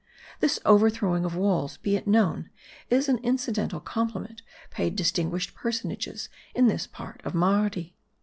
This overthrowing of walls, be it known, is an incidental compliment paid distinguished personages in this part of Mardi.